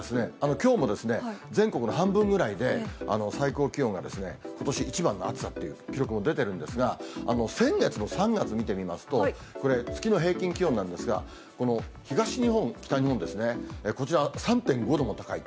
きょうもですね、全国の半分ぐらいで、最高気温がことし一番の暑さっていう記録も出てるんですが、先月の３月見てみますと、月の平均気温なんですが、この東日本、北日本ですね、こちら、３．５度も高い。